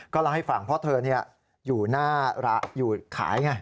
เล่าให้ฟังเพราะเธออยู่หน้าร้านอยู่ขายไง